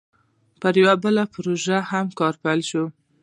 پر یوه بله پروژه هم کار پیلوي